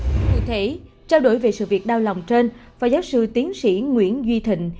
thưa thầy trao đổi về sự việc đau lòng trên phó giáo sư tiến sĩ nguyễn duy thịnh